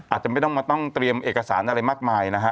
อาจจะไม่ต้องมาต้องเตรียมเอกสารอะไรมากมายนะฮะ